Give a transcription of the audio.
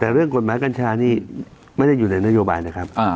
แต่เรื่องกฎหมายกัญชานี่ไม่ได้อยู่ในนโยบายนะครับ